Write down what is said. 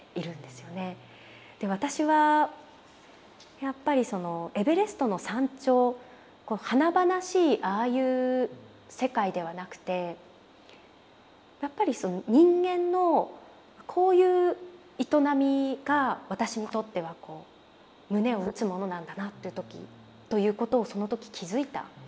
で私はやっぱりそのエベレストの山頂こう華々しいああいう世界ではなくてやっぱり人間のこういう営みが私にとっては胸を打つものなんだなということをその時気付いたんですよね。